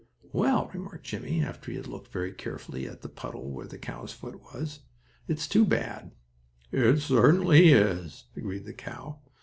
"Well," remarked Jimmie, after he had looked very carefully at the puddle where the cow's foot was, "it's too bad." "It certainly is," agreed the cow.